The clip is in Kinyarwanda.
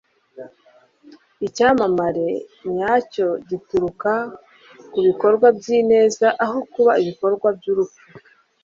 icyamamare nyacyo gituruka ku bikorwa by'ineza aho kuba ibikorwa by'ubupfu